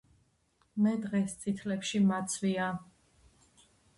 მე დღეს წითლებში მაცვია